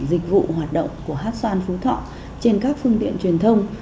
dịch vụ hoạt động của hát xoan phú thọ trên các phương tiện truyền thông